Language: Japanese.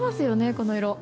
この色。